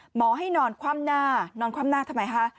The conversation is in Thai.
หมอให้นอนคว่ำหน้านอนคว่ำหน้าทำไมคะ